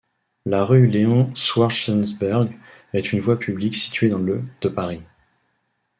La rue Léon-Schwartzenberg est une voie publique située dans le de Paris.